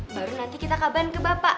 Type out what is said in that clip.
baru nanti kita kabarin ke bapak